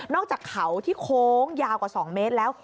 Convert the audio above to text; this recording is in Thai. อกจากเขาที่โค้งยาวกว่า๒เมตรแล้ว